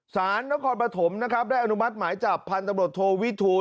สารตอนคอนถมได้อนุมัติหมายจับพันธรรมดโทวิทูล